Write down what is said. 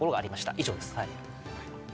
以上です。